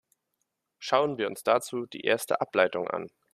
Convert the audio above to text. Schauen wir uns dazu die erste Ableitung an.